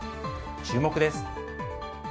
注目です。